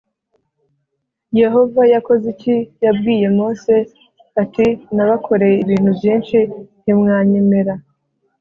Yehova yakoze iki Yabwiye Mose ati nabakoreye ibintu byinshi ntimwanyemera